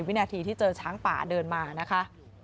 วินาทีที่เจอช้างป่าเดินมานะคะ